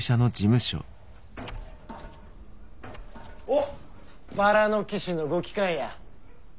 おっバラの騎士のご帰還や。